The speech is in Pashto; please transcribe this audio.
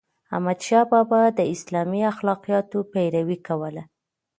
احمدشاه بابا د اسلامي اخلاقياتو پیروي کوله.